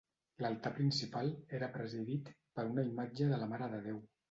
L'altar principal era presidit per una imatge de la Mare de Déu.